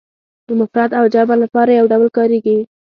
د مفرد او جمع لپاره یو ډول کاریږي.